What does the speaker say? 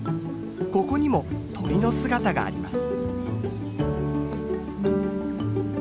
ここにも鳥の姿があります。